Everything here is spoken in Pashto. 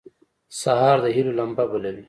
سهار د هيلو لمبه بلوي.